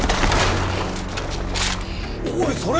おいそれ！